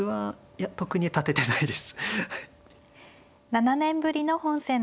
７年ぶりの本戦です。